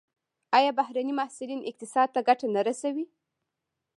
آیا بهرني محصلین اقتصاد ته ګټه نه رسوي؟